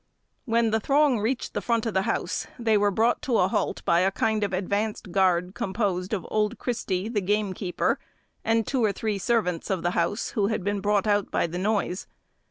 [Illustration: Conscience Makes Cowards of the Dogs] When the throng reached the front of the house, they were brought to a halt by a kind of advanced guard, composed of old Christy, the gamekeeper, and two or three servants of the house, who had been brought out by the noise.